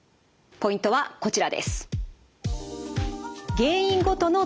ポイントはこちらです。